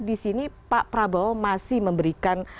di sini pak prabowo masih memberikan